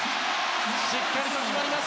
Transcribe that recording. しっかりと決まります。